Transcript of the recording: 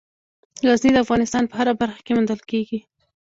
غزني د افغانستان په هره برخه کې موندل کېږي.